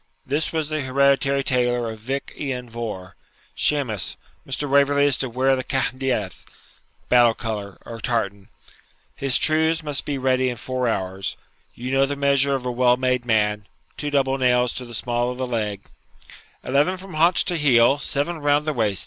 This was the hereditary tailor of Vich lan Vohr. 'Shemus, Mr. Waverley is to wear the cath dath (battle colour, or tartan); his trews must be ready in four hours. You know the measure of a well made man two double nails to the small of the leg ' 'Eleven from haunch to heel, seven round the waist.